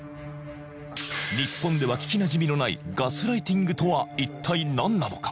日本では聞きなじみのないガスライティングとは一体何なのか？